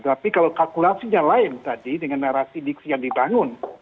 tapi kalau kalkulasinya lain tadi dengan narasi diksi yang dibangun